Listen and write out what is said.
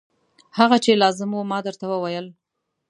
هغه چې لازم و ما درته وویل.